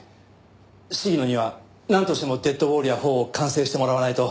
鴫野にはなんとしても『デッドウォーリア４』を完成してもらわないと。